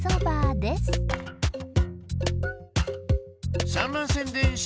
でんしゃ